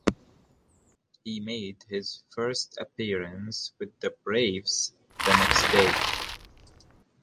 He made his first appearance with the Braves the next day.